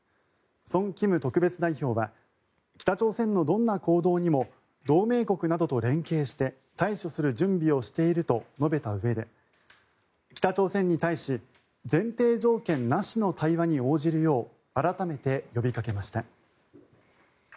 ソン・キム特別代表は北朝鮮のどんな行動にも同盟国などと連携して対処する準備をしていると述べたうえで北朝鮮に対し前提条件なしの対話に応じるよう改めて呼びかけました。